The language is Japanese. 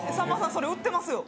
それ売ってますよ。